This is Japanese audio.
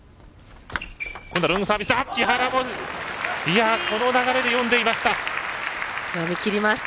木原もこの流れで読んでいました。